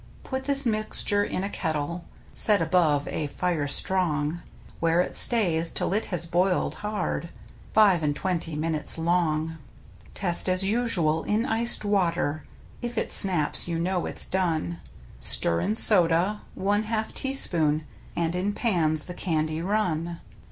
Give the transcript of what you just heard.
Put this mixture in a kettle Set above a fire strong, Where it stays till it has boiled hard Five and twentv minutes long. Test as usual in iced water. If it snaps you know it's done. Stir in soda — one half teaspoon — And in pans the candy run.